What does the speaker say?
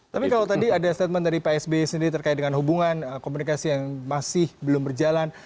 tapi kalau tadi ada statement dari pak sby sendiri terkait dengan hubungan komunikasi yang masih belum berjalan